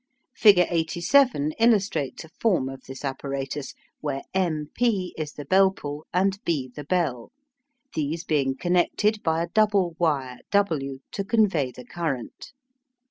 Figure 87 illustrates a form of this apparatus, where M P is the bell pull and B the bell, these being connected by a double wire W, to convey the current.